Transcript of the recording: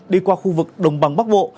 đi qua khu vực đồng bằng bắc bộ